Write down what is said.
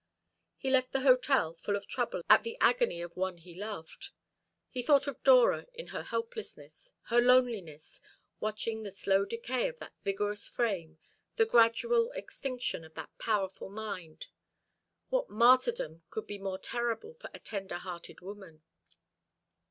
He left the hotel full of trouble at the agony of one he loved. He thought of Dora in her helplessness, her loneliness, watching the slow decay of that vigorous frame, the gradual extinction of that powerful mind. What martyrdom could be more terrible for a tender hearted woman?